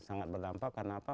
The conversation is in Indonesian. sangat berdampak karena apa